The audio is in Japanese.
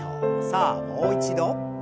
さあもう一度。